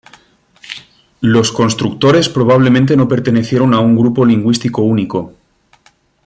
Los constructores probablemente no pertenecieron a un grupo lingüístico único.